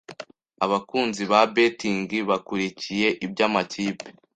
Abakunzi ba Betting bakurikiye iby’amakipe